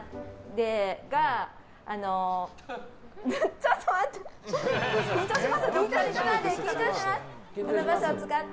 ちょっと待って。